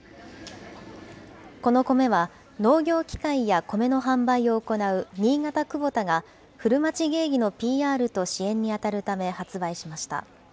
このコメは農業機械やコメの販売を行う新潟クボタが、古町芸妓のＰＲと支援にあたるため、発売しました。